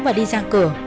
và đi ra cửa